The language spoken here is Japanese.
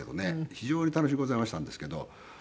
非常に楽しゅうございましたんですけど。